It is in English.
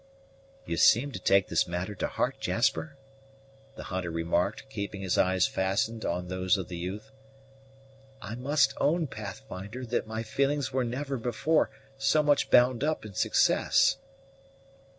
"You seem to take this matter to heart, Jasper?" the hunter remarked, keeping his eyes fastened on those of the youth. "I must own, Pathfinder, that my feelings were never before so much bound up in success."